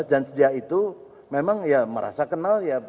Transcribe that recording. dan sejak itu memang merasa kenal